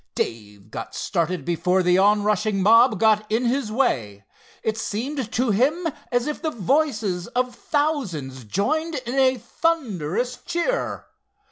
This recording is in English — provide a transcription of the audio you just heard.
Dave got started before the onrushing mob got in his way. It seemed to him as if the voices of thousands joined in a thunderous cheer.